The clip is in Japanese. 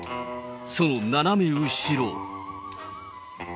その斜め後ろ。